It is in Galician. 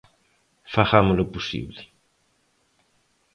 Fagámolo posible.